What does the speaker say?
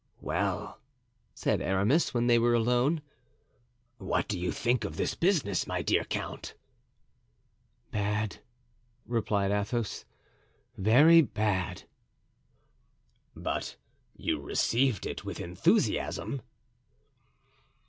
"Well," said Aramis, when they were alone, "what do you think of this business, my dear count?" "Bad," replied Athos, "very bad." "But you received it with enthusiasm."